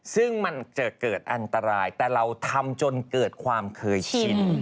ซึ่งมันจะเกิดอันตรายแต่เราทำจนเกิดความเคยชิน